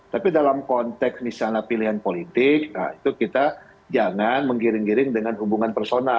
tapi dalam konteks misalnya pilihan politik itu kita jangan menggiring giring dengan hubungan personal